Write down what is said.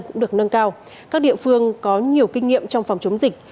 cũng được nâng cao các địa phương có nhiều kinh nghiệm trong phòng chống dịch